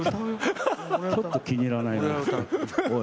ちょっと気に入らないな。